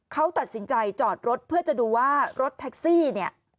เขาตัดสินใจจอดรถเพื่อจะดูว่ารถแท็กซี่เนี่ย